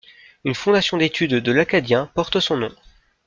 Une fondation d'étude de l'akkadien porte son nom.